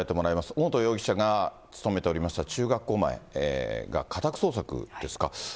尾本容疑者が勤めておりました中学校前が、家宅捜索ですか。